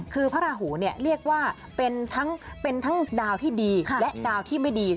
คือพระราหูเนี่ยเรียกว่าเป็นทั้งดาวที่ดีและดาวที่ไม่ดี